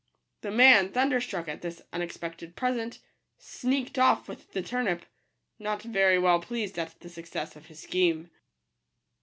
The man, thunderstruck at this unex pected present, sneaked off with the turnip, not very well pleased at the success of his scheme.